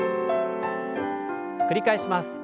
繰り返します。